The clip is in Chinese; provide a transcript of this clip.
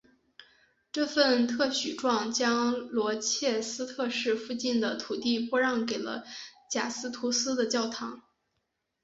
这份特许状将罗切斯特市附近的土地拨让给了贾斯图斯的教堂。